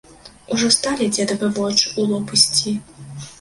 Ужо сталі дзедавы вочы ў лоб ісці.